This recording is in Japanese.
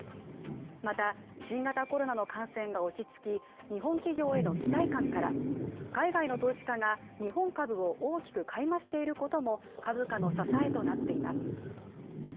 また新型コロナの感染が落ち着き日本企業への期待感から海外の投資家が日本株を大きく買い増していることも株価の支えとなっています。